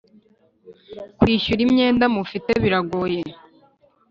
kwishyura imyenda mufite biragoye